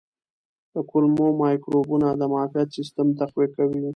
د کولمو مایکروبونه د معافیت سیستم تقویه کوي.